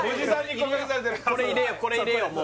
これ入れよう